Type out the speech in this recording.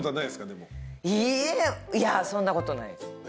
いやそんなことないです。